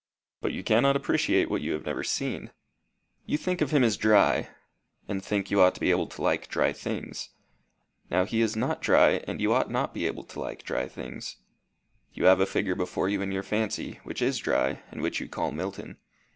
But you cannot appreciate what you have never seen. You think of him as dry, and think you ought to be able to like dry things. Now he is not dry, and you ought not to be able to like dry things. You have a figure before you in your fancy, which is dry, and which you call Milton.